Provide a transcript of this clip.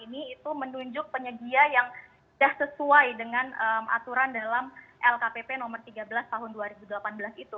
apakah betul kementerian sosial misalnya ppk dalam hal ini menunjuk penyedia yang sesuai dengan aturan dalam lkpp nomor tiga belas tahun dua ribu delapan belas itu